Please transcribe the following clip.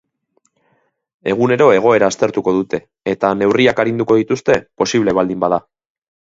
Egunero egoera aztertuko dute, eta neurriak arinduko dituzte posible baldin bada.